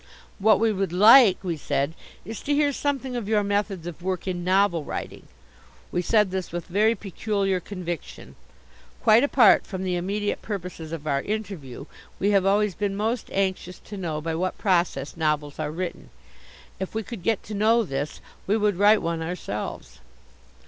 "What we would like," we said, "is to hear something of your methods of work in novel writing." We said this with very peculiar conviction. Quite apart from the immediate purposes of our interview, we have always been most anxious to know by what process novels are written. If we could get to know this, we would write one ourselves.